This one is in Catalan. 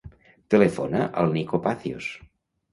Telefona al Nico Pacios.